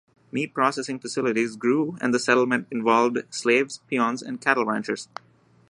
Meat processing facilities grew and the settlement involved slaves, peons and cattle ranchers.